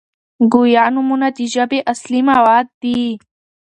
ګویا نومونه د ژبي اصلي مواد دي.